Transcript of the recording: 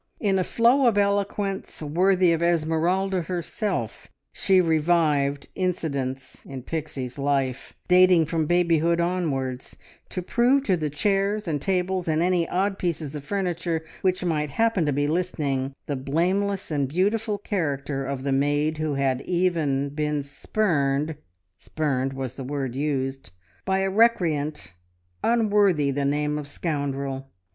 In a flow of eloquence, worthy of Esmeralda herself, she revived incidents in Pixie's life, dating from babyhood onwards, to prove to the chairs and tables, and any odd pieces of furniture which might happen to be listening, the blameless and beautiful character of the maid who had even been spurned ("spurned" was the word used) by a recreant unworthy the name of scoundrel.